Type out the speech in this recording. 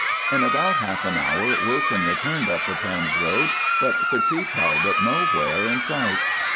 In about half an hour Wilson returned up the Pends Road, but could see Talbot nowhere in sight.